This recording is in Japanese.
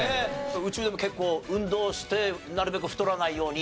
宇宙でも結構運動してなるべく太らないようにとか？